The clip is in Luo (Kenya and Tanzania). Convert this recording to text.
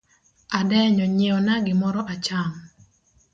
Adenyo nyiewna gimoro acham.